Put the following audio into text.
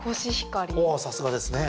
さすがですね。